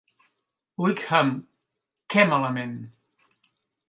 Wickham, què malament"